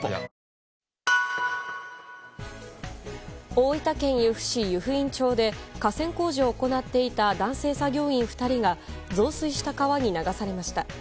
大分県由布市湯布院町で河川工事を行っていた男性作業員２人が増水した川に流されました。